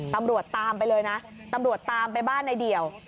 ตำรวจตามไปเลยนะตำรวจตามไปบ้านในเดี่ยว